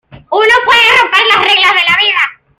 Uno puede romper las reglas de la vida.